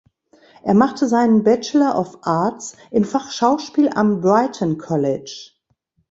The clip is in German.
Er machte seinen Bachelor of Arts im Fach Schauspiel am Brighton College.